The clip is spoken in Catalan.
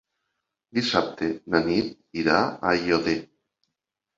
Dissabte na Nit irà a Aiòder.